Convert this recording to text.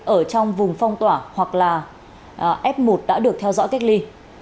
ở trong vùng phong tỏa hoặc là f một đã được theo dõi cách ly